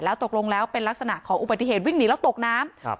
ตกลงแล้วเป็นลักษณะของอุบัติเหตุวิ่งหนีแล้วตกน้ำ